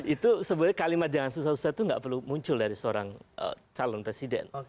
itu sebenarnya kalimat jangan susah susah itu nggak perlu muncul dari seorang calon presiden